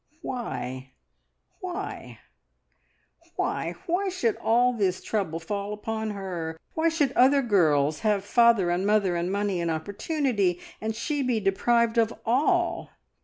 Why why why why should all this trouble fall upon her? Why should other girls have father and mother and money and opportunity, and she be deprived of all?